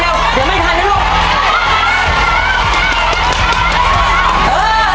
เดี๋ยวไม่ทันนะลูก